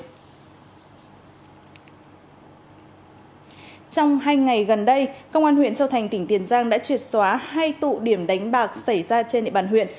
trong hai ngày gần đây công an huyện châu thành tỉnh tiền giang đã triệt xóa hai tụ điểm đánh bạc xảy ra trên địa bàn huyện